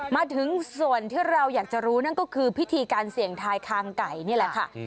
มาถึงส่วนที่เราอยากจะรู้นั่นก็คือพิธีการเสี่ยงทายคางไก่นี่แหละค่ะ